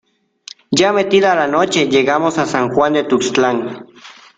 ya metida la noche llegamos a San Juan de Tuxtlan.